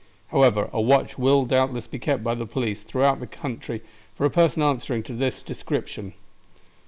However a watch will doubtless be kept by the police throughout the country for a person answering to this description."